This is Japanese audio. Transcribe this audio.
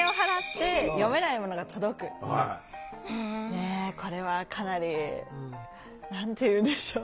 ねえこれはかなり何て言うんでしょう。